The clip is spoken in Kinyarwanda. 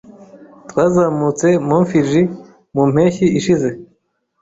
Twazamutse Mt. Fuji mu mpeshyi ishize.